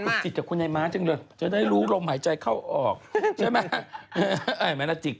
แต่ฉันอยากให้คุณไอ้ม้าจึงเลยจะได้รู้โรงหายใจเข้าออกใช่ไหม